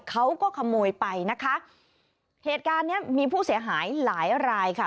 เขาก็ขโมยไปนะคะเหตุการณ์เนี้ยมีผู้เสียหายหลายรายค่ะ